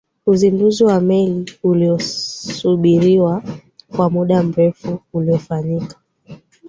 uzinduzi wa meli uliyosubiriwa kwa muda mrefu ulifanyika